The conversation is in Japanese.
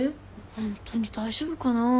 ホントに大丈夫かなぁ。